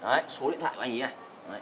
đấy số điện thoại của anh ý này